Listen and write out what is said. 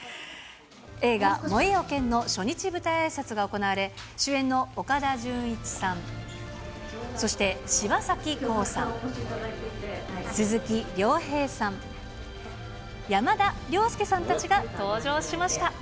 映画、燃えよ剣の初日舞台あいさつが行われ、主演の岡田准一さん、そして柴咲コウさん、鈴木亮平さん、山田涼介さんたちが登場しました。